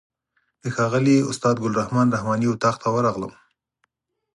د ښاغلي استاد ګل رحمن رحماني اتاق ته ورغلم.